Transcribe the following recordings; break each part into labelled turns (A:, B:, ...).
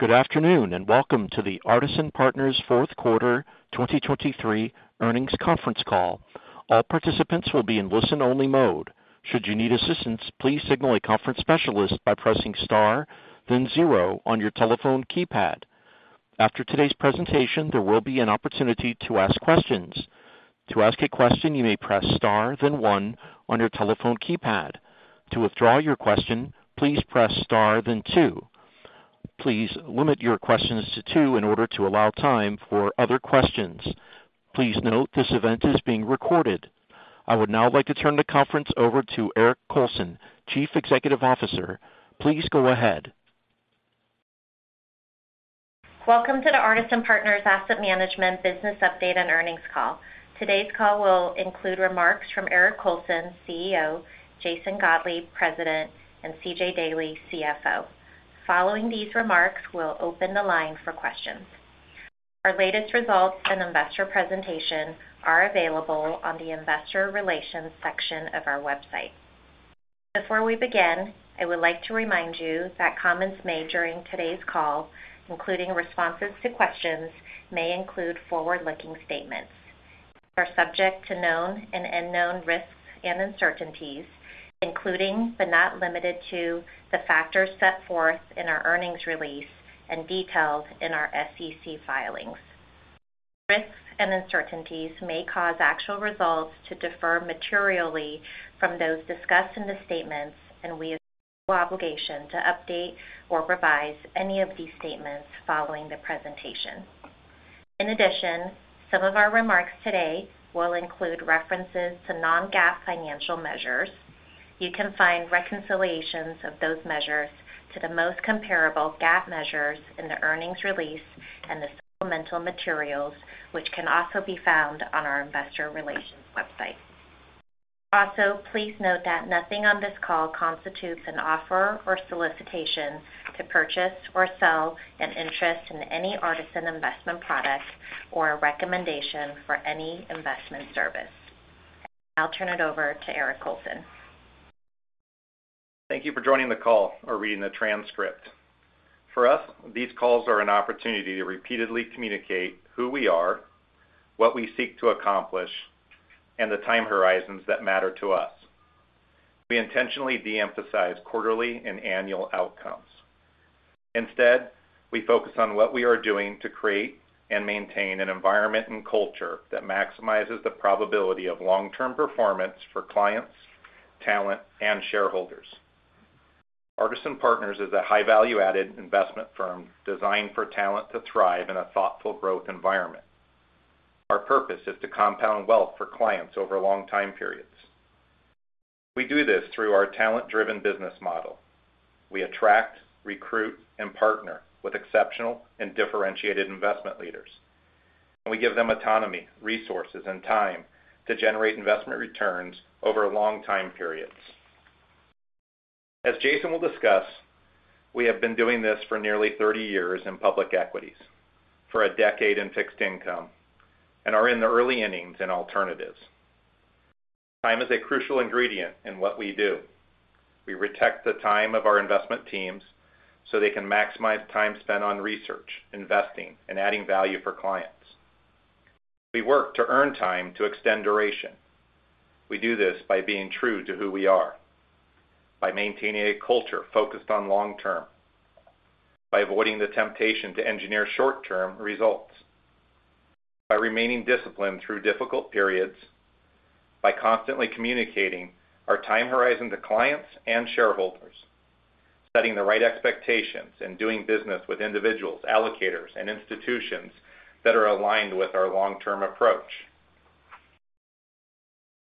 A: Good afternoon, and welcome to the Artisan Partners fourth quarter 2023 earnings conference call. All participants will be in listen-only mode. Should you need assistance, please signal a conference specialist by pressing star then zero on your telephone keypad. After today's presentation, there will be an opportunity to ask questions. To ask a question, you may press star then one on your telephone keypad. To withdraw your question, please press star then two. Please limit your questions to two in order to allow time for other questions. Please note, this event is being recorded. I would now like to turn the conference over to Eric Colson, Chief Executive Officer. Please go ahead.
B: Welcome to the Artisan Partners Asset Management business update and earnings call. Today's call will include remarks from Eric Colson, CEO, Jason Gottlieb, President, and C.J. Daley, CFO. Following these remarks, we'll open the line for questions. Our latest results and investor presentation are available on the investor relations section of our website. Before we begin, I would like to remind you that comments made during today's call, including responses to questions, may include forward-looking statements. They are subject to known and unknown risks and uncertainties, including, but not limited to, the factors set forth in our earnings release and detailed in our SEC filings. Risks and uncertainties may cause actual results to differ materially from those discussed in the statements, and we have no obligation to update or revise any of these statements following the presentation. In addition, some of our remarks today will include references to non-GAAP financial measures. You can find reconciliations of those measures to the most comparable GAAP measures in the earnings release and the supplemental materials, which can also be found on our investor relations website. Also, please note that nothing on this call constitutes an offer or solicitation to purchase or sell an interest in any Artisan investment product or a recommendation for any investment service. I'll now turn it over to Eric Colson.
C: Thank you for joining the call or reading the transcript. For us, these calls are an opportunity to repeatedly communicate who we are, what we seek to accomplish, and the time horizons that matter to us. We intentionally de-emphasize quarterly and annual outcomes. Instead, we focus on what we are doing to create and maintain an environment and culture that maximizes the probability of long-term performance for clients, talent, and shareholders. Artisan Partners is a high value-added investment firm designed for talent to thrive in a thoughtful growth environment. Our purpose is to compound wealth for clients over long time periods. We do this through our talent-driven business model. We attract, recruit, and partner with exceptional and differentiated investment leaders, and we give them autonomy, resources, and time to generate investment returns over long time periods. As Jason will discuss, we have been doing this for nearly 30 years in public equities, for a decade in fixed income, and are in the early innings in alternatives. Time is a crucial ingredient in what we do. We protect the time of our investment teams so they can maximize time spent on research, investing, and adding value for clients. We work to earn time to extend duration. We do this by being true to who we are, by maintaining a culture focused on long-term, by avoiding the temptation to engineer short-term results, by remaining disciplined through difficult periods, by constantly communicating our time horizon to clients and shareholders, setting the right expectations, and doing business with individuals, allocators, and institutions that are aligned with our long-term approach.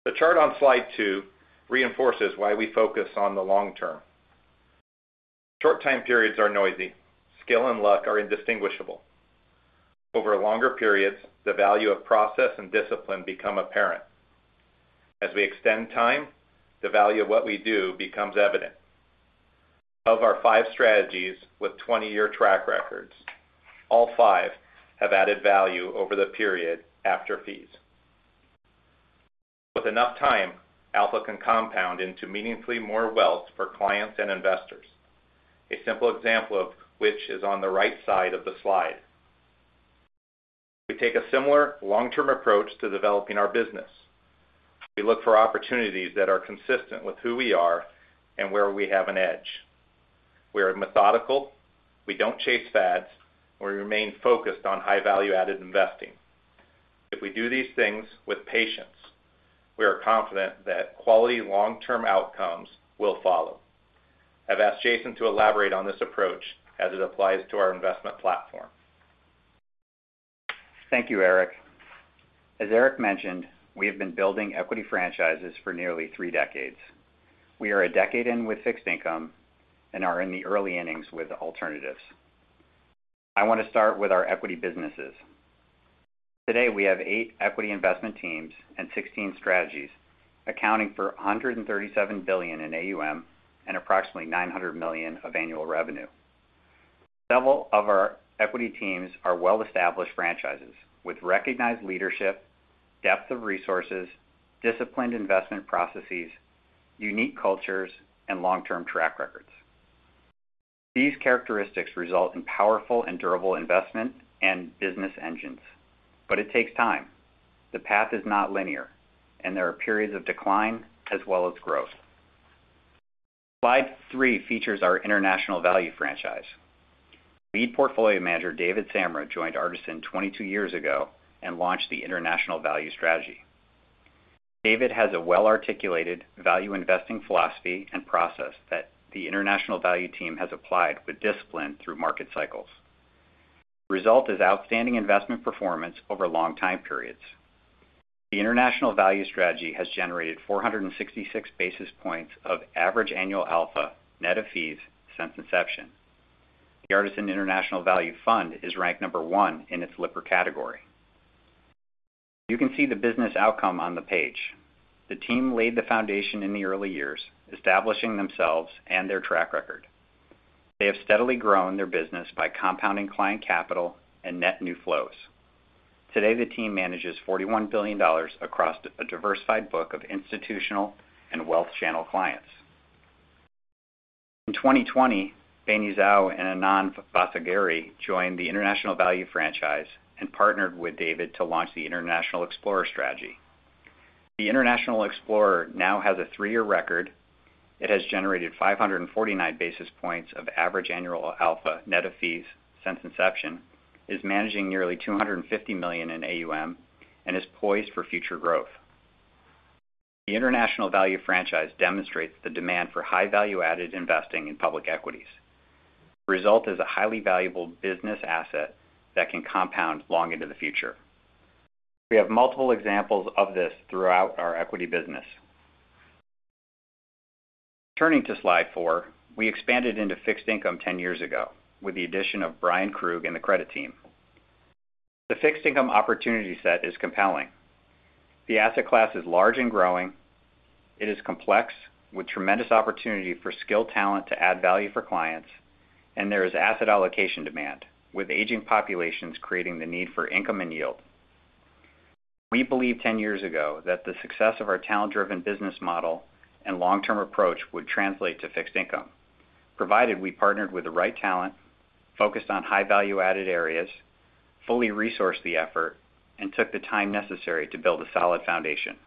C: The chart on Slide 2 reinforces why we focus on the long term. Short time periods are noisy. Skill and luck are indistinguishable. Over longer periods, the value of process and discipline become apparent. As we extend time, the value of what we do becomes evident. Of our five strategies with 20-year track records, all five have added value over the period after fees. With enough time, alpha can compound into meaningfully more wealth for clients and investors. A simple example of which is on the right side of the slide. We take a similar long-term approach to developing our business. We look for opportunities that are consistent with who we are and where we have an edge. We are methodical, we don't chase fads, and we remain focused on high-value-added investing. If we do these things with patience, we are confident that quality long-term outcomes will follow. I've asked Jason to elaborate on this approach as it applies to our investment platform.
D: Thank you, Eric. As Eric mentioned, we have been building equity franchises for nearly three decades. We are a decade in with fixed income and are in the early innings with alternatives. I want to start with our equity businesses. Today, we have eight equity investment teams and 16 strategies, accounting for $137 billion in AUM and approximately $900 million of annual revenue. Several of our equity teams are well-established franchises with recognized leadership, depth of resources, disciplined investment processes, unique cultures, and long-term track records. These characteristics result in powerful and durable investment and business engines, but it takes time. The path is not linear, and there are periods of decline as well as growth. Slide three features our International Value franchise. Lead Portfolio Manager, David Samra, joined Artisan 22 years ago and launched the International Value Strategy. David has a well-articulated value investing philosophy and process that International Value team has applied with discipline through market cycles. The result is outstanding investment performance over long time periods. The International Value Strategy has generated 466 basis points of average annual alpha, net of fees, since inception. The Artisan International Value Fund is ranked number one in its Lipper category. You can see the business outcome on the page. The team laid the foundation in the early years, establishing themselves and their track record. They have steadily grown their business by compounding client capital and net new flows. Today, the team manages $41 billion across a diversified book of institutional and wealth channel clients. In 2020, Beini Zhou and Anand Vasagiri joined the International Value franchise and partnered with David to launch the International Explorer Strategy. The International Explorer now has a three-year record. It has generated 549 basis points of average annual alpha, net of fees, since inception, is managing nearly $250 million in AUM, and is poised for future growth. The International Value franchise demonstrates the demand for high value-added investing in public equities. The result is a highly valuable business asset that can compound long into the future. We have multiple examples of this throughout our equity business. Turning to Slide 4, we expanded into fixed income 10 years ago with the addition of Bryan Krug and the Credit team. The fixed income opportunity set is compelling. The asset class is large and growing. It is complex, with tremendous opportunity for skilled talent to add value for clients, and there is asset allocation demand, with aging populations creating the need for income and yield. We believed 10 years ago that the success of our talent-driven business model and long-term approach would translate to fixed income, provided we partnered with the right talent, focused on high value-added areas, fully resourced the effort, and took the time necessary to build a solid foundation.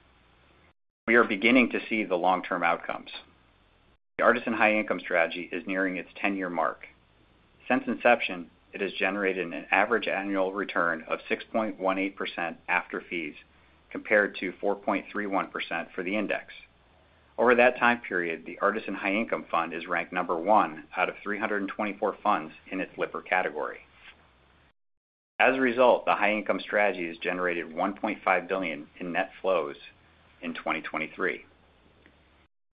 D: We are beginning to see the long-term outcomes. The Artisan High Income Strategy is nearing its 10-year mark. Since inception, it has generated an average annual return of 6.18% after fees, compared to 4.31% for the index. Over that time period, the Artisan High Income Fund is ranked number one out of 324 funds in its Lipper category. As a result, the High Income Strategy has generated $1.5 billion in net flows in 2023.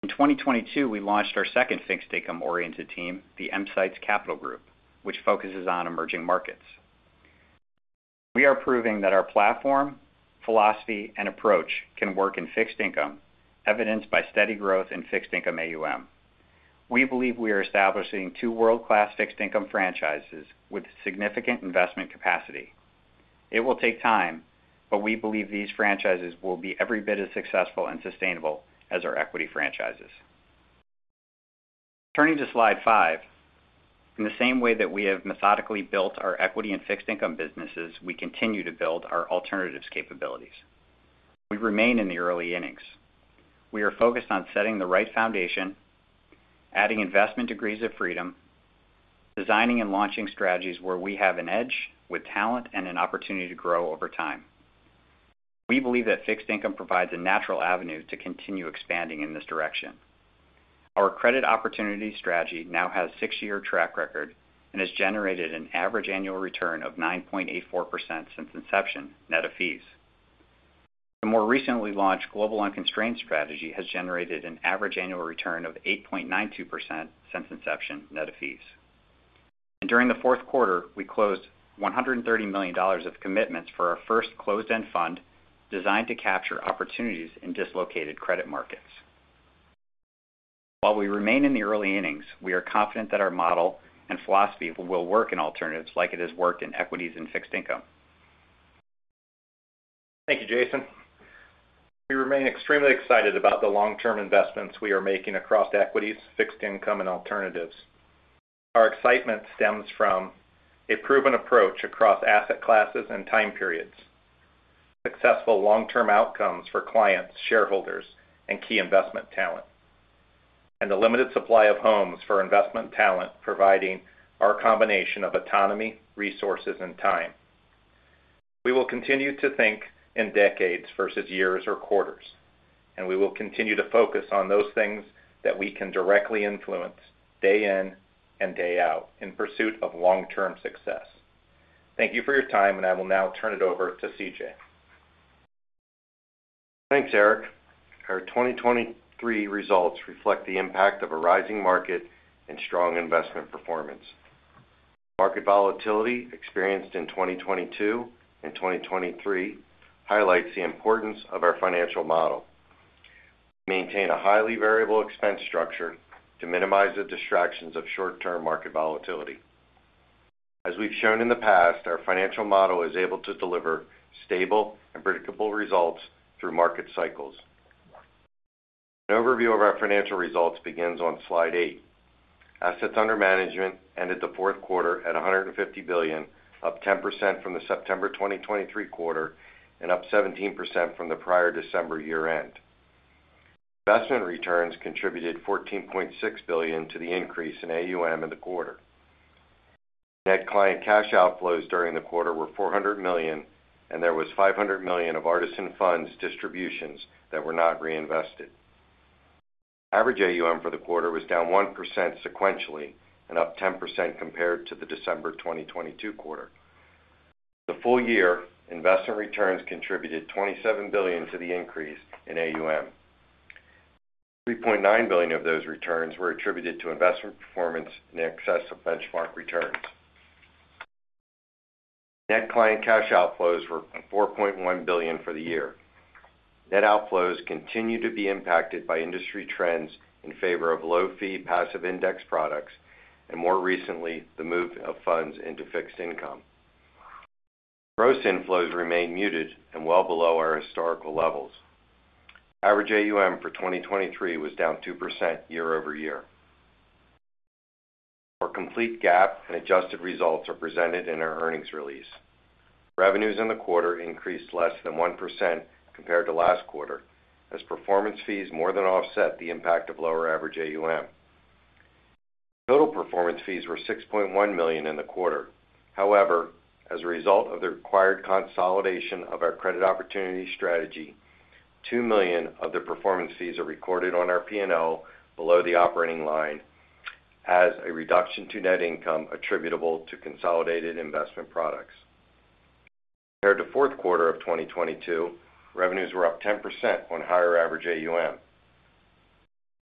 D: In 2022, we launched our second fixed income-oriented team, the EMsights Capital Group, which focuses on emerging markets. We are proving that our platform, philosophy, and approach can work in fixed income, evidenced by steady growth in fixed income AUM. We believe we are establishing two world-class fixed income franchises with significant investment capacity. It will take time, but we believe these franchises will be every bit as successful and sustainable as our equity franchises. Turning to Slide 5, in the same way that we have methodically built our equity and fixed income businesses, we continue to build our alternatives capabilities. We remain in the early innings. We are focused on setting the right foundation, adding investment degrees of freedom, designing and launching strategies where we have an edge with talent and an opportunity to grow over time. We believe that fixed income provides a natural avenue to continue expanding in this direction. Our Credit Opportunities Strategy now has a six-year track record and has generated an average annual return of 9.84% since inception, net of fees. The more recently launched Global Unconstrained Strategy has generated an average annual return of 8.92% since inception, net of fees. During the fourth quarter, we closed $130 million of commitments for our first closed-end fund, designed to capture opportunities in dislocated credit markets. While we remain in the early innings, we are confident that our model and philosophy will work in alternatives like it has worked in equities and fixed income.
C: Thank you, Jason. We remain extremely excited about the long-term investments we are making across equities, fixed income, and alternatives. Our excitement stems from a proven approach across asset classes and time periods, successful long-term outcomes for clients, shareholders, and key investment talent, and a limited supply of homes for investment talent, providing our combination of autonomy, resources, and time. We will continue to think in decades versus years or quarters, and we will continue to focus on those things that we can directly influence day in and day out in pursuit of long-term success. Thank you for your time, and I will now turn it over to C.J.
E: Thanks, Eric. Our 2023 results reflect the impact of a rising market and strong investment performance. Market volatility experienced in 2022 and 2023 highlights the importance of our financial model. We maintain a highly variable expense structure to minimize the distractions of short-term market volatility. As we've shown in the past, our financial model is able to deliver stable and predictable results through market cycles. An overview of our financial results begins on Slide 8. Assets under management ended the fourth quarter at $150 billion, up 10% from the September 2023 quarter and up 17% from the prior December year-end. Investment returns contributed $14.6 billion to the increase in AUM in the quarter. Net client cash outflows during the quarter were $400 million, and there was $500 million of Artisan Funds distributions that were not reinvested. Average AUM for the quarter was down 1% sequentially and up 10% compared to the December 2022 quarter. For the full year, investment returns contributed $27 billion to the increase in AUM. $3.9 billion of those returns were attributed to investment performance in excess of benchmark returns. Net client cash outflows were $4.1 billion for the year. Net outflows continue to be impacted by industry trends in favor of low-fee, passive index products, and more recently, the move of funds into fixed income. Gross inflows remain muted and well below our historical levels. Average AUM for 2023 was down 2% year over year. Our complete GAAP and adjusted results are presented in our earnings release. Revenues in the quarter increased less than 1% compared to last quarter, as performance fees more than offset the impact of lower average AUM. Total performance fees were $6.1 million in the quarter. However, as a result of the required consolidation of our credit opportunity strategy, $2 million of the performance fees are recorded on our P&L below the operating line as a reduction to net income attributable to consolidated investment products. Compared to fourth quarter of 2022, revenues were up 10% on higher average AUM.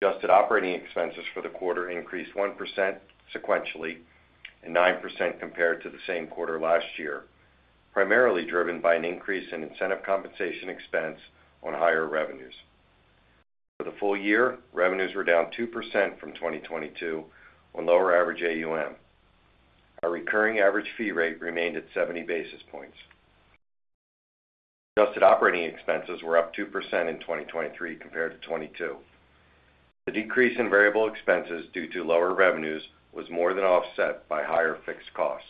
E: Adjusted operating expenses for the quarter increased 1% sequentially and 9% compared to the same quarter last year, primarily driven by an increase in incentive compensation expense on higher revenues. For the full year, revenues were down 2% from 2022 on lower average AUM. Our recurring average fee rate remained at 70 basis points. Adjusted operating expenses were up 2% in 2023 compared to 2022. The decrease in variable expenses due to lower revenues was more than offset by higher fixed costs.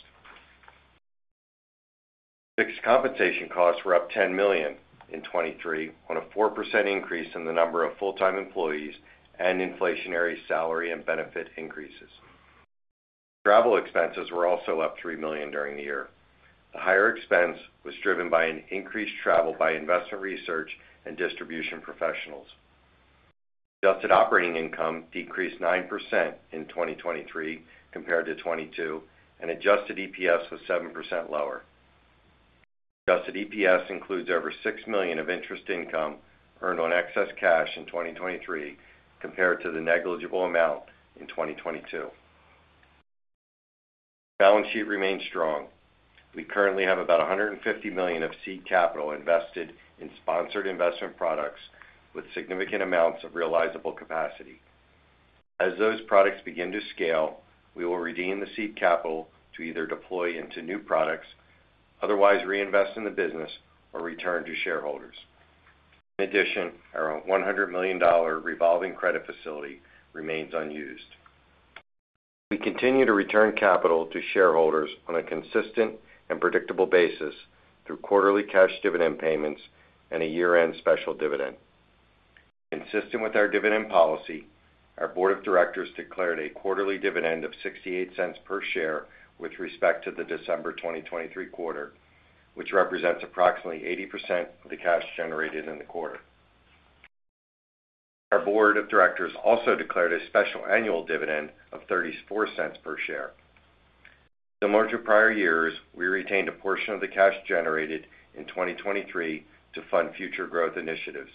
E: Fixed compensation costs were up $10 million in 2023, on a 4% increase in the number of full-time employees and inflationary salary and benefit increases. Travel expenses were also up $3 million during the year. The higher expense was driven by an increased travel by investment research and distribution professionals. Adjusted operating income decreased 9% in 2023 compared to 2022, and adjusted EPS was 7% lower. Adjusted EPS includes over $6 million of interest income earned on excess cash in 2023 compared to the negligible amount in 2022. Balance sheet remains strong. We currently have about $150 million of seed capital invested in sponsored investment products, with significant amounts of realizable capacity. As those products begin to scale, we will redeem the seed capital to either deploy into new products, otherwise reinvest in the business, or return to shareholders. In addition, our $100 million revolving credit facility remains unused. We continue to return capital to shareholders on a consistent and predictable basis through quarterly cash dividend payments and a year-end special dividend. Consistent with our dividend policy, our board of directors declared a quarterly dividend of $0.68 per share with respect to the December 2023 quarter, which represents approximately 80% of the cash generated in the quarter. Our board of directors also declared a special annual dividend of $0.34 per share. Unlike prior years, we retained a portion of the cash generated in 2023 to fund future growth initiatives,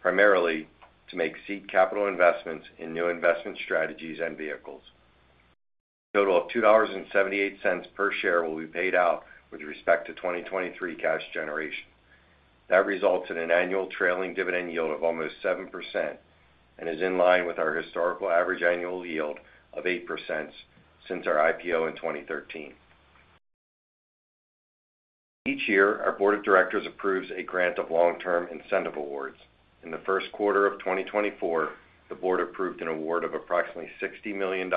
E: primarily to make seed capital investments in new investment strategies and vehicles. A total of $2.78 per share will be paid out with respect to 2023 cash generation. That results in an annual trailing dividend yield of almost 7% and is in line with our historical average annual yield of 8% since our IPO in 2013. Each year, our board of directors approves a grant of long-term incentive awards. In the first quarter of 2024, the board approved an award of approximately $60 million,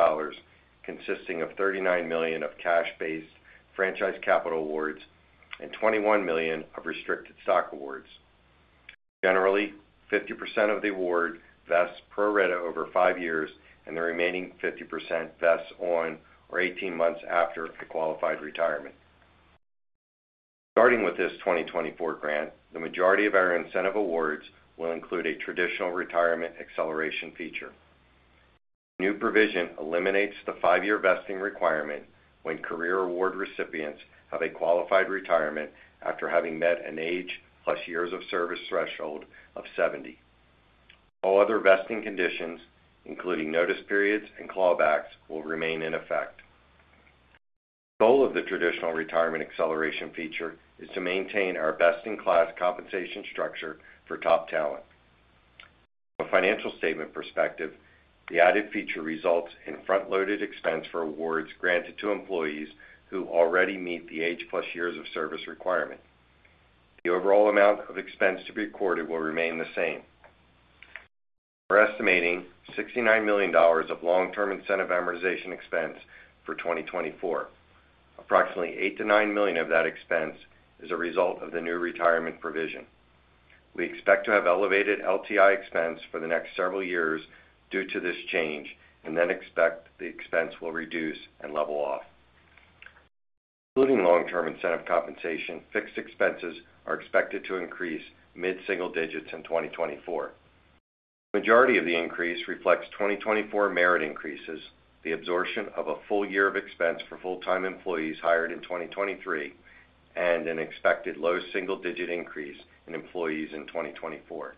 E: consisting of $39 million of cash-based Franchise Capital awards and $21 million of restricted stock awards. Generally, 50% of the award vests pro rata over five years, and the remaining 50% vests on or 18 months after a qualified retirement. Starting with this 2024 grant, the majority of our incentive awards will include a traditional retirement acceleration feature. The new provision eliminates the five-year vesting requirement when career award recipients have a qualified retirement after having met an age plus years of service threshold of 70. All other vesting conditions, including notice periods and clawbacks, will remain in effect. The goal of the traditional retirement acceleration feature is to maintain our best-in-class compensation structure for top talent. From a financial statement perspective, the added feature results in front-loaded expense for awards granted to employees who already meet the age plus years of service requirement. The overall amount of expense to be recorded will remain the same. We're estimating $69 million of long-term incentive amortization expense for 2024. Approximately $8 million-$9 million of that expense is a result of the new retirement provision. We expect to have elevated LTI expense for the next several years due to this change, and then expect the expense will reduce and level off. Excluding long-term incentive compensation, fixed expenses are expected to increase mid-single digits in 2024. The majority of the increase reflects 2024 merit increases, the absorption of a full year of expense for full-time employees hired in 2023, and an expected low single-digit increase in employees in 2024.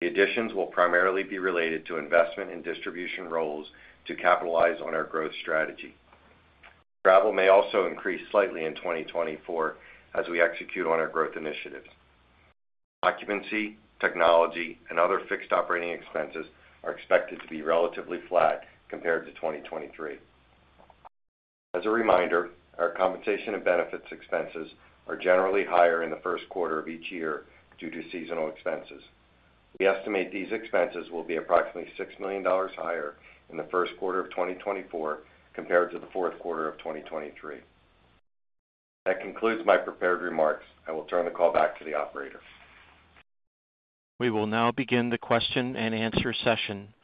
E: The additions will primarily be related to investment in distribution roles to capitalize on our growth strategy. Travel may also increase slightly in 2024 as we execute on our growth initiatives. Occupancy, technology, and other fixed operating expenses are expected to be relatively flat compared to 2023. As a reminder, our compensation and benefits expenses are generally higher in the first quarter of each year due to seasonal expenses. We estimate these expenses will be approximately $6 million higher in the first quarter of 2024 compared to the fourth quarter of 2023. That concludes my prepared remarks. I will turn the call back to the operator.
A: We will now begin the question-and-answer session.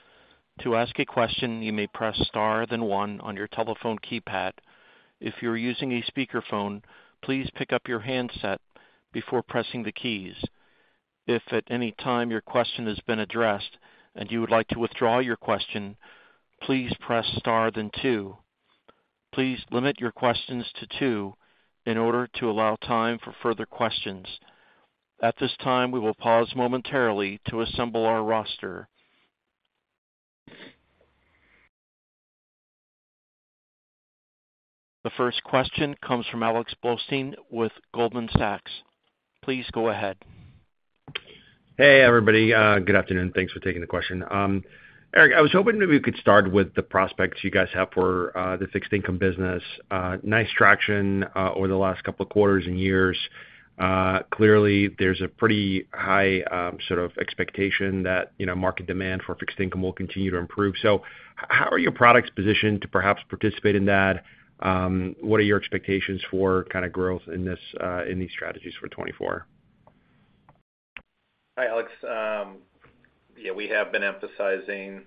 A: To ask a question, you may press star, then one on your telephone keypad. If you're using a speakerphone, please pick up your handset before pressing the keys. If at any time your question has been addressed and you would like to withdraw your question, please press star then two. Please limit your questions to two in order to allow time for further questions. At this time, we will pause momentarily to assemble our roster. The first question comes from Alex Blostein with Goldman Sachs. Please go ahead.
F: Hey, everybody, good afternoon. Thanks for taking the question. Eric, I was hoping maybe we could start with the prospects you guys have for the fixed income business. Nice traction over the last couple of quarters and years. Clearly, there's a pretty high sort of expectation that, you know, market demand for fixed income will continue to improve. So how are your products positioned to perhaps participate in that? What are your expectations for kind of growth in this in these strategies for 2024?
C: Hi, Alex. Yeah, we have been emphasizing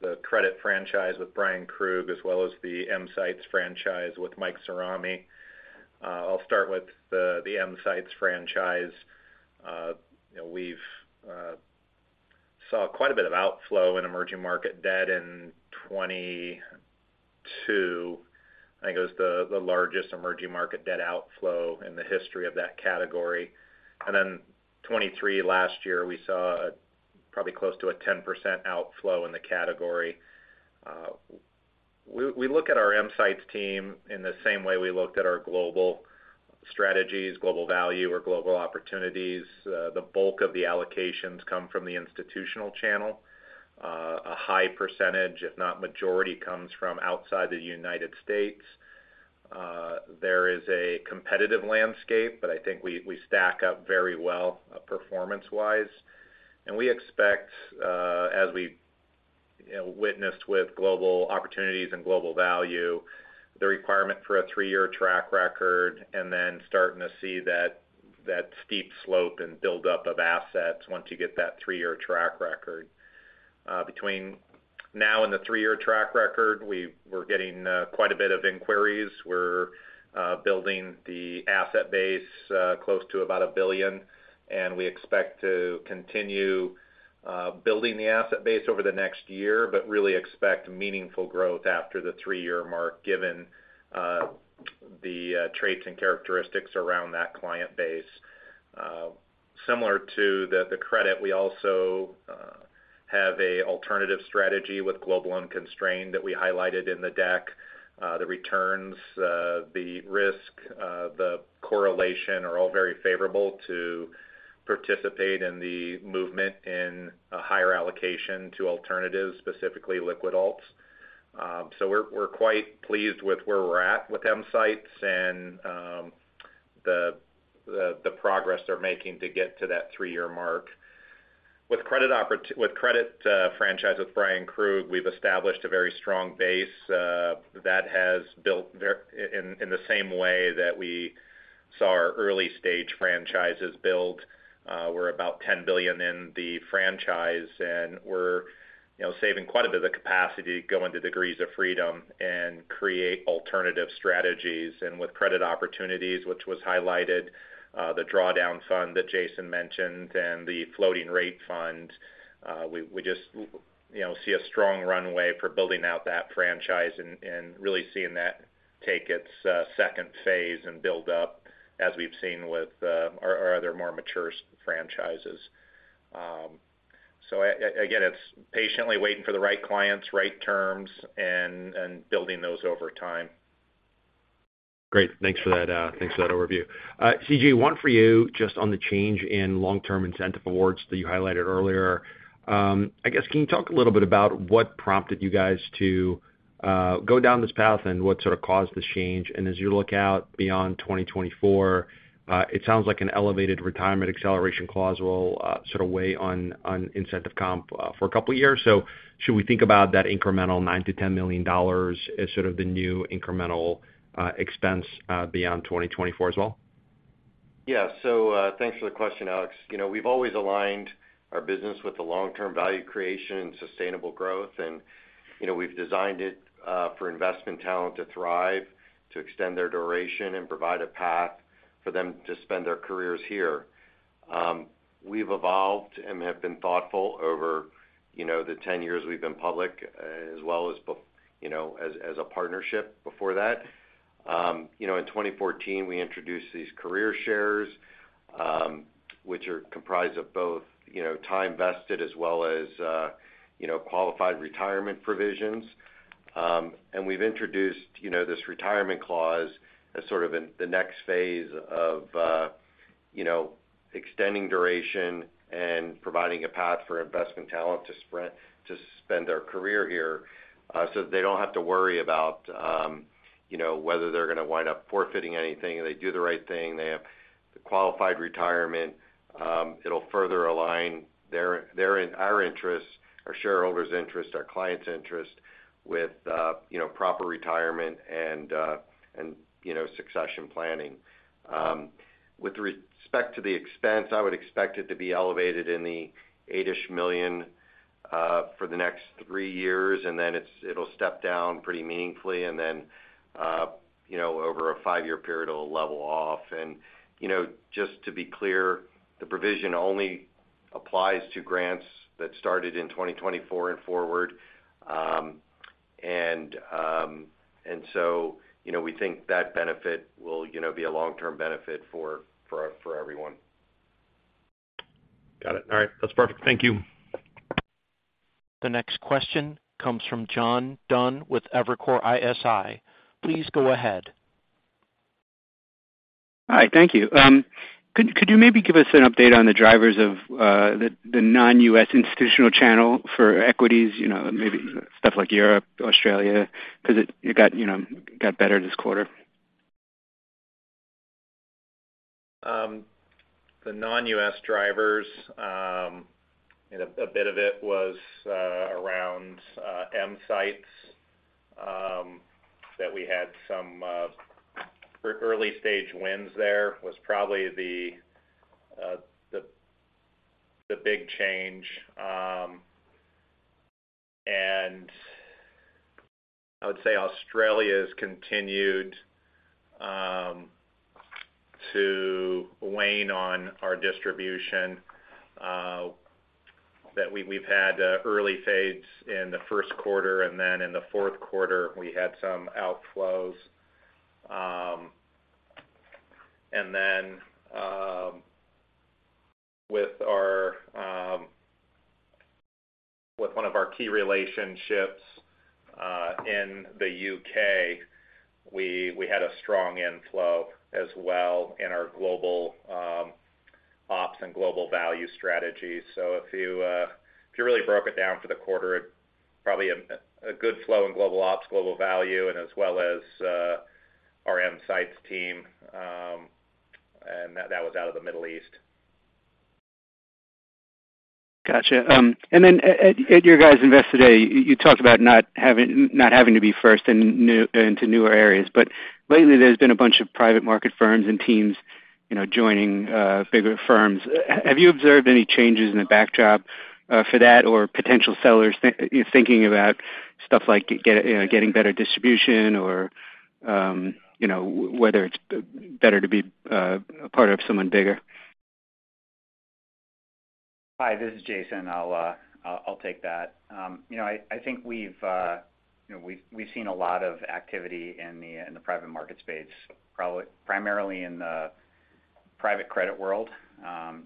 C: the Credit franchise with Bryan Krug, as well as the EMsights franchise with Michael Cirami. I'll start with the EMsights franchise. You know, we've saw quite a bit of outflow in emerging market debt in 2022. I think it was the largest emerging market debt outflow in the history of that category. And then 2023 last year, we saw probably close to a 10% outflow in the category. We look at our EMsights team in the same way we looked at our global strategies, Global Value or Global Opportunities. The bulk of the allocations come from the institutional channel. A high percentage, if not majority, comes from outside the United States. There is a competitive landscape, but I think we stack up very well performance-wise. We expect, as we, you know, witnessed Global Opportunities and Global Value, the requirement for a three-year track record, and then starting to see that steep slope and build up of assets once you get that three-year track record. Between now and the three-year track record, we're getting quite a bit of inquiries. We're building the asset base close to about $1 billion, and we expect to continue building the asset base over the next year, but really expect meaningful growth after the three-year mark, given the traits and characteristics around that client base. Similar to the credit, we also have a alternative strategy with Global Unconstrained that we highlighted in the deck. The returns, the risk, the correlation are all very favorable to participate in the movement in a higher allocation to alternatives, specifically liquid alts. So we're quite pleased with where we're at with EMsights and the progress they're making to get to that three-year mark. With Credit franchise with Bryan Krug, we've established a very strong base that has built in the same way that we saw our early-stage franchises build. We're about $10 billion in the franchise, and we're, you know, saving quite a bit of the capacity to go into degrees of freedom and create alternative strategies. And with Credit Opportunities, which was highlighted, the drawdown fund that Jason mentioned and the Floating Rate Fund, we just, you know, see a strong runway for building out that franchise and really seeing that take its second phase and build up as we've seen with our other more mature franchises. So again, it's patiently waiting for the right clients, right terms, and building those over time.
F: Great. Thanks for that, thanks for that overview. C.J., one for you, just on the change in long-term incentive awards that you highlighted earlier. I guess, can you talk a little bit about what prompted you guys to go down this path, and what sort of caused this change? And as you look out beyond 2024, it sounds like an elevated retirement acceleration clause will sort of weigh on, on incentive comp, for a couple years. So should we think about that incremental $9 million-$10 million as sort of the new incremental expense, beyond 2024 as well?
E: Yeah. So, thanks for the question, Alex. You know, we've always aligned our business with the long-term value creation and sustainable growth. And, you know, we've designed it for investment talent to thrive, to extend their duration and provide a path for them to spend their careers here. We've evolved and have been thoughtful over, you know, the 10 years we've been public, as well as, you know, as a partnership before that. You know, in 2014, we introduced these Career Shares, which are comprised of both, you know, time vested as well as, you know, qualified retirement provisions. And we've introduced, you know, this retirement clause as sort of in the next phase of, you know, extending duration and providing a path for investment talent to spend their career here, so they don't have to worry about, you know, whether they're gonna wind up forfeiting anything, or they do the right thing. They have the qualified retirement. It'll further align their, their and our interests, our shareholders' interest, our clients' interest with, you know, proper retirement and, and, you know, succession planning. With respect to the expense, I would expect it to be elevated in the $8-ish million for the next three years, and then it'll step down pretty meaningfully. And then, you know, over a five-year period, it'll level off. You know, just to be clear, the provision only applies to grants that started in 2024 and forward. You know, we think that benefit will, you know, be a long-term benefit for everyone.
F: Got it. All right, that's perfect. Thank you.
A: The next question comes from John Dunn with Evercore ISI. Please go ahead.
G: Hi, thank you. Could you maybe give us an update on the drivers of the non-U.S. institutional channel for equities? You know, maybe stuff like Europe, Australia, 'cause it got, you know, it got better this quarter.
C: The non-U.S. drivers, and a bit of it was around EMsights, that we had some early-stage wins there, was probably the big change. I would say Australia has continued to wane on our distribution, that we've had early fades in the first quarter, and then in the fourth quarter, we had some outflows. Then, with one of our key relationships in the U.K., we had a strong inflow as well in our Global Ops and Global Value strategy. So if you really broke it down for the quarter, it probably a good flow in Global Ops, Global Value, and as well as our EMsights team, and that was out of the Middle East.
G: Gotcha. And then at your guys' Investor Day, you talked about not having to be first into newer areas. But lately, there's been a bunch of private market firms and teams, you know, joining bigger firms. Have you observed any changes in the backdrop for that, or potential sellers thinking about stuff like getting better distribution or, you know, whether it's better to be a part of someone bigger?
D: Hi, this is Jason. I'll take that. You know, I think we've, you know, we've seen a lot of activity in the private market space, primarily in the private credit world.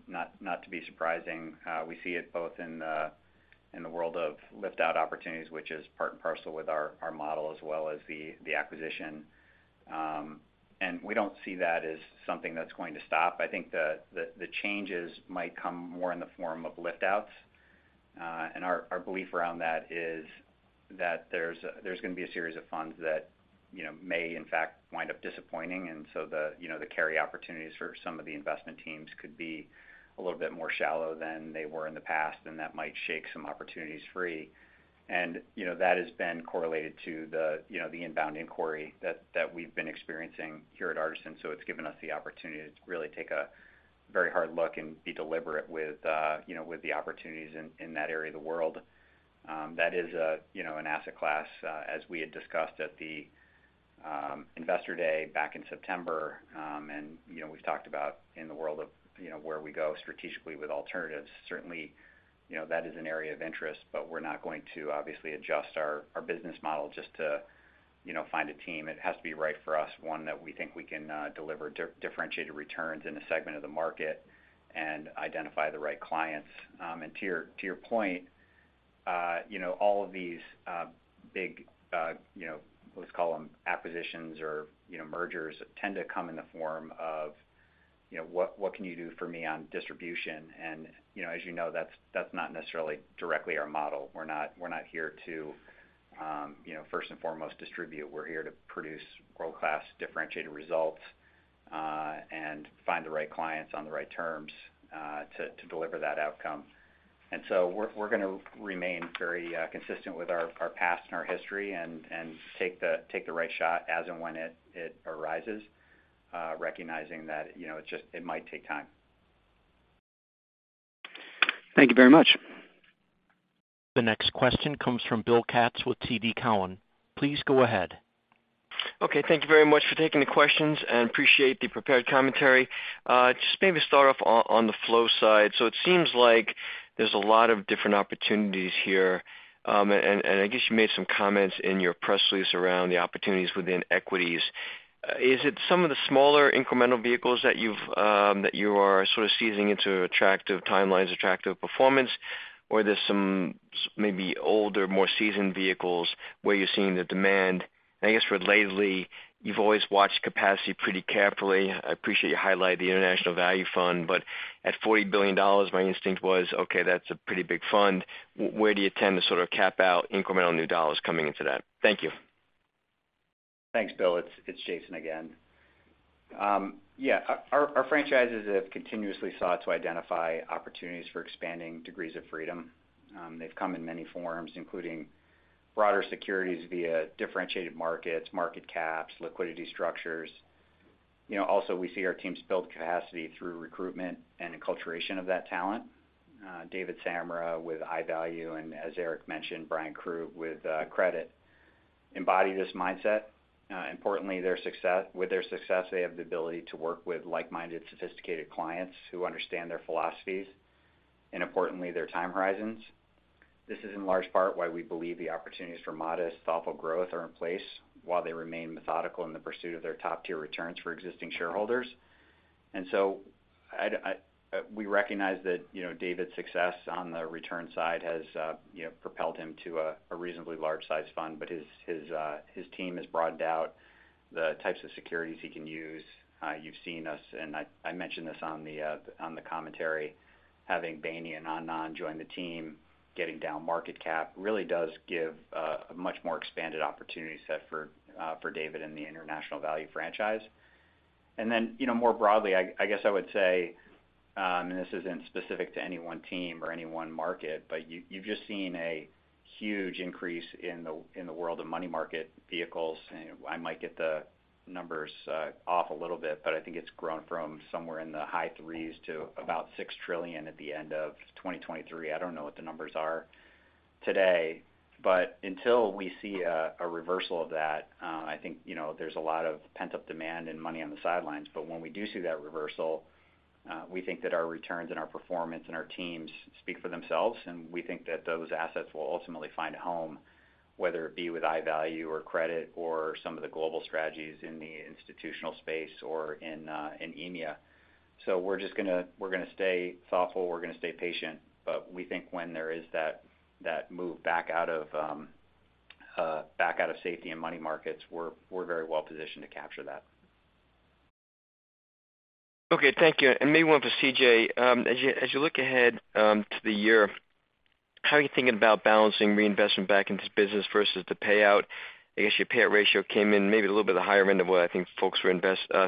D: Not to be surprising, we see it both in the world of lift-out opportunities, which is part and parcel with our model, as well as the acquisition. We don't see that as something that's going to stop. I think the changes might come more in the form of lift-outs. And our belief around that is that there's gonna be a series of funds that, you know, may in fact wind up disappointing, and so you know, the carry opportunities for some of the investment teams could be a little bit more shallow than they were in the past, and that might shake some opportunities free. And, you know, that has been correlated to the, you know, the inbound inquiry that we've been experiencing here at Artisan. So it's given us the opportunity to really take a very hard look and be deliberate with, you know, with the opportunities in that area of the world. That is a, you know, an asset class, as we had discussed at the Investor Day back in September. And, you know, we've talked about in the world of, you know, where we go strategically with alternatives. Certainly, you know, that is an area of interest, but we're not going to obviously adjust our, our business model just to, you know, find a team. It has to be right for us, one that we think we can deliver differentiated returns in a segment of the market and identify the right clients. And to your, to your point, you know, all of these big, you know, let's call them acquisitions or, you know, mergers tend to come in the form of, you know, what, what can you do for me on distribution? And, you know, as you know, that's, that's not necessarily directly our model. We're not, we're not here to, you know, first and foremost, distribute. We're here to produce world-class differentiated results, and find the right clients on the right terms, to deliver that outcome. And so we're gonna remain very consistent with our past and our history and take the right shot as and when it arises, recognizing that, you know, it just—it might take time.
G: Thank you very much.
A: The next question comes from Bill Katz with TD Cowen. Please go ahead.
H: Okay, thank you very much for taking the questions, and appreciate the prepared commentary. Just maybe start off on the flow side. So it seems like there's a lot of different opportunities here. And I guess you made some comments in your press release around the opportunities within equities. Is it some of the smaller incremental vehicles that you've that you are sort of seizing into attractive timelines, attractive performance, or there's some maybe older, more seasoned vehicles where you're seeing the demand? I guess relatedly, you've always watched capacity pretty carefully. I appreciate you highlighting the International Value Fund, but at $40 billion, my instinct was, okay, that's a pretty big fund. Where do you tend to sort of cap out incremental new dollars coming into that? Thank you.
D: Thanks, Bill. It's Jason again. Yeah, our franchises have continuously sought to identify opportunities for expanding degrees of freedom. They've come in many forms, including broader securities via differentiated markets, market caps, liquidity structures. You know, also, we see our teams build capacity through recruitment and acculturation of that talent. David Samra with I Value, and as Eric mentioned, Bryan Krug with Credit, embody this mindset. Importantly, their success—with their success, they have the ability to work with like-minded, sophisticated clients who understand their philosophies and, importantly, their time horizons. This is in large part why we believe the opportunities for modest, thoughtful growth are in place while they remain methodical in the pursuit of their top-tier returns for existing shareholders. And so I'd we recognize that, you know, David's success on the return side has you know propelled him to a reasonably large-sized fund, but his team has broadened out the types of securities he can use. You've seen us, and I mentioned this on the commentary, having Beini and Anand join the team, getting down market cap really does give a much more expanded opportunity set for David and the International Value franchise. And then, you know, more broadly, I guess I would say, and this isn't specific to any one team or any one market, but you've just seen a huge increase in the world of money market vehicles. I might get the numbers off a little bit, but I think it's grown from somewhere in the high $3s to about $6 trillion at the end of 2023. I don't know what the numbers are today, but until we see a reversal of that, I think, you know, there's a lot of pent-up demand and money on the sidelines. But when we do see that reversal, we think that our returns and our performance and our teams speak for themselves, and we think that those assets will ultimately find a home, whether it be with I Value or Credit or some of the global strategies in the institutional space or in EMEA. So we're just gonna, we're gonna stay thoughtful, we're gonna stay patient, but we think when there is that move back out of safety and money markets, we're very well positioned to capture that.
H: Okay, thank you. And maybe one for C.J. As you, as you look ahead to the year, how are you thinking about balancing reinvestment back into the business versus the payout? I guess your payout ratio came in maybe a little bit higher end of what I think folks were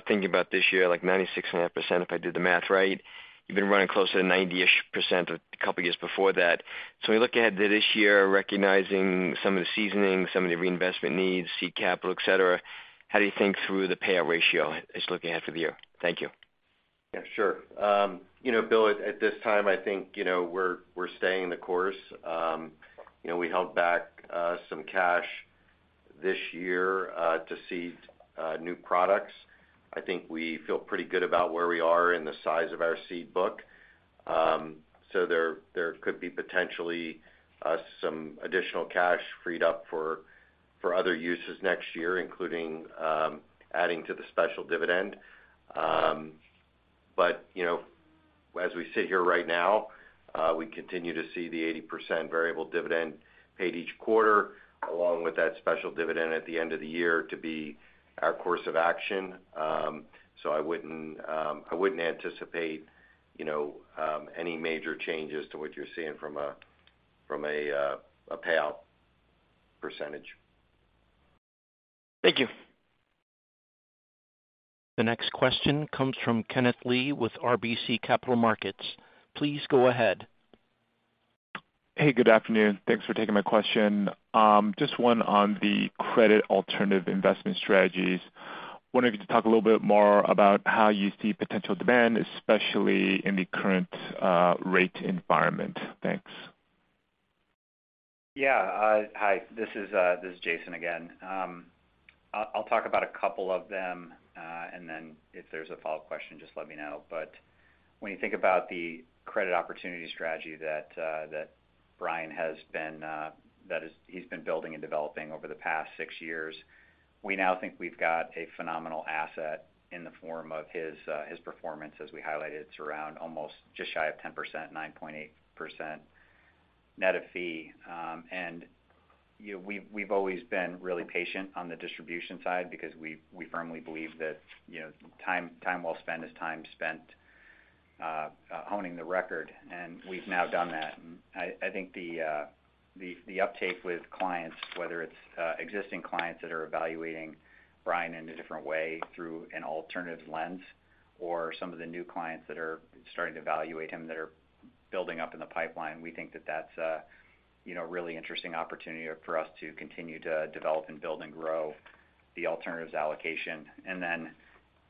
H: thinking about this year, like 96.5%, if I did the math right. You've been running closer to 90%-ish a couple years before that. So when you look ahead to this year, recognizing some of the seasoning, some of the reinvestment needs, seed capital, et cetera, how do you think through the payout ratio as you're looking ahead for the year? Thank you.
E: Yeah, sure. You know, Bill, at this time, I think, you know, we're staying the course. You know, we held back some cash this year to seed new products. I think we feel pretty good about where we are in the size of our seed book. So there could be potentially some additional cash freed up for other uses next year, including adding to the special dividend. But, you know, as we sit here right now, we continue to see the 80% variable dividend paid each quarter, along with that special dividend at the end of the year, to be our course of action. So I wouldn't anticipate, you know, any major changes to what you're seeing from a payout percentage.
H: Thank you.
A: The next question comes from Kenneth Lee with RBC Capital Markets. Please go ahead.
I: Hey, good afternoon. Thanks for taking my question. Just one on the credit alternative investment strategies. Wanted you to talk a little bit more about how you see potential demand, especially in the current rate environment. Thanks.
D: Yeah. Hi, this is Jason again. I'll talk about a couple of them, and then if there's a follow-up question, just let me know. But when you think about the credit opportunity strategy that Brian has been building and developing over the past six years, we now think we've got a phenomenal asset in the form of his performance. As we highlighted, it's around almost just shy of 10%, 9.8% net of fee. You know, we've always been really patient on the distribution side because we firmly believe that, you know, time well spent is time spent honing the record, and we've now done that. I think the uptake with clients, whether it's existing clients that are evaluating Bryan in a different way through an alternative lens, or some of the new clients that are starting to evaluate him, that are building up in the pipeline, we think that that's a, you know, really interesting opportunity for us to continue to develop and build and grow the alternatives allocation. And then,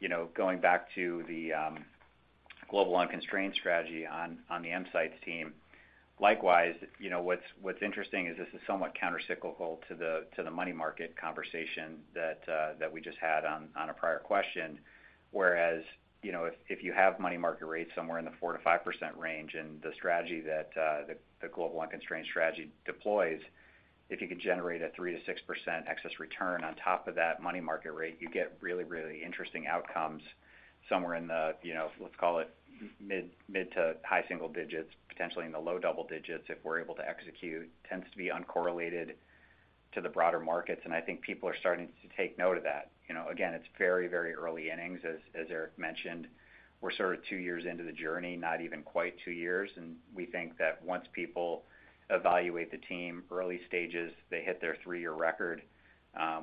D: you know, going back to the global unconstrained strategy on the EMsights team, likewise, you know, what's interesting is this is somewhat countercyclical to the money market conversation that we just had on a prior question. Whereas, you know, if, if you have money market rates somewhere in the 4%-5% range, and the strategy that, the, the Global Unconstrained Strategy deploys, if you could generate a 3%-6% excess return on top of that money market rate, you get really, really interesting outcomes somewhere in the, you know, let's call it mid, mid- to high-single digits, potentially in the low double digits, if we're able to execute. Tends to be uncorrelated to the broader markets, and I think people are starting to take note of that. You know, again, it's very, very early innings. As Eric mentioned, we're sort of two years into the journey, not even quite two years, and we think that once people evaluate the team, early stages, they hit their three-year record.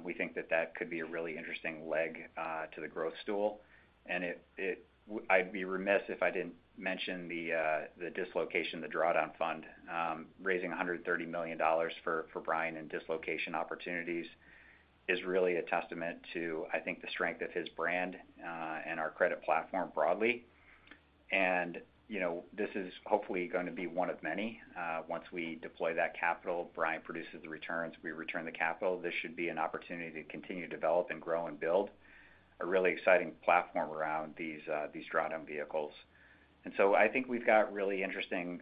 D: We think that that could be a really interesting leg to the growth stool. And it. I'd be remiss if I didn't mention the, the dislocation, the drawdown fund. Raising $130 million for, for Bryan and Dislocation Opportunities is really a testament to, I think, the strength of his brand and our credit platform broadly. And, you know, this is hopefully gonna be one of many. Once we deploy that capital, Bryan produces the returns, we return the capital. This should be an opportunity to continue to develop and grow and build a really exciting platform around these, these drawdown vehicles. And so I think we've got really interesting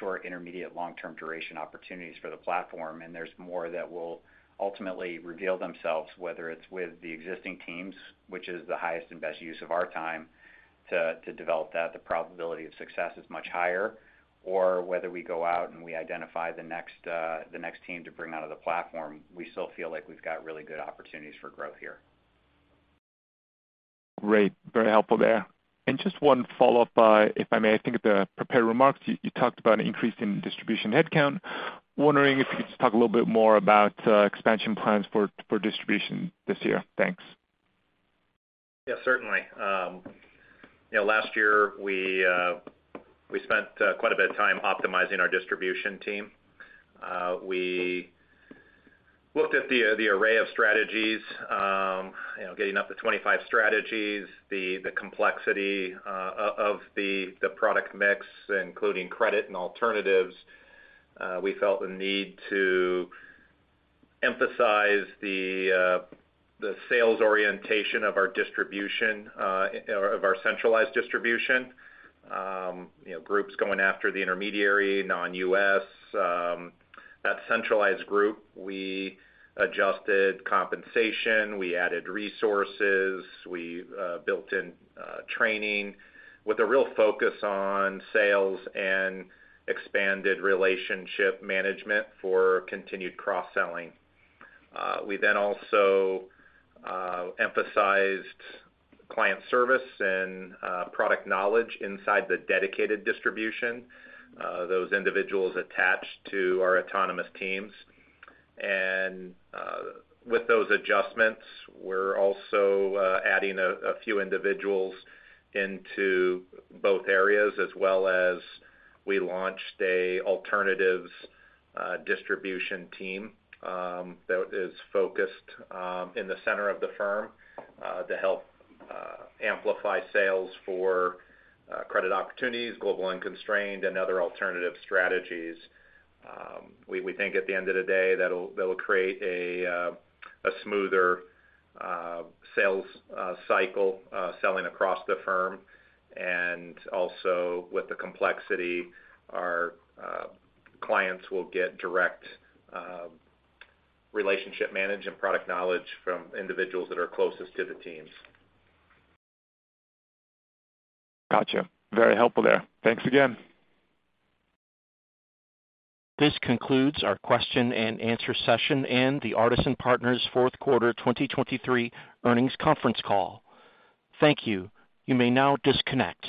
D: short, intermediate, long-term duration opportunities for the platform, and there's more that will ultimately reveal themselves, whether it's with the existing teams, which is the highest and best use of our time to develop that, the probability of success is much higher. Or whether we go out and we identify the next team to bring out of the platform, we still feel like we've got really good opportunities for growth here.
I: Great. Very helpful there. Just one follow-up, if I may. I think at the prepared remarks, you talked about an increase in distribution headcount. Wondering if you could just talk a little bit more about expansion plans for distribution this year. Thanks.
D: Yeah, certainly. You know, last year, we spent quite a bit of time optimizing our distribution team. We looked at the array of strategies, you know, getting up to 25 strategies, the complexity of the product mix, including credit and alternatives. We felt the need to emphasize the sales orientation of our distribution, or of our centralized distribution. You know, groups going after the intermediary, non-U.S., that centralized group. We adjusted compensation, we added resources, we built in training with a real focus on sales and expanded relationship management for continued cross-selling. We then also emphasized client service and product knowledge inside the dedicated distribution, those individuals attached to our autonomous teams. With those adjustments, we're also adding a few individuals into both areas, as well as we launched an alternatives distribution team that is focused in the center of the firm to help amplify sales for Credit Opportunities, Global Unconstrained, and other alternative strategies. We think at the end of the day, that'll create a smoother sales cycle selling across the firm. Also, with the complexity, our clients will get direct relationship management and product knowledge from individuals that are closest to the teams.
I: Gotcha. Very helpful there. Thanks again.
A: This concludes our question and answer session in the Artisan Partners' fourth quarter 2023 earnings conference call. Thank you. You may now disconnect.